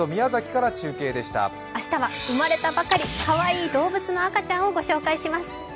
明日は生まれたばかり、かわいい動物の赤ちゃんをご紹介します。